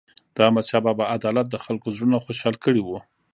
د احمدشاه بابا عدالت د خلکو زړونه خوشحال کړي وو.